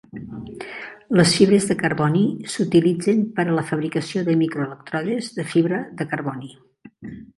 Les fibres de carboni s"utilitzen per a la fabricació de micro-elèctrodes de fibra de carboni.